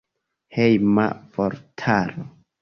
Hejma vortaro.